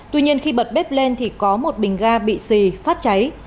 tuy nhiên khi bật bếp lên thì có một bình ga bị xì phát cháy